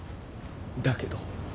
だけど。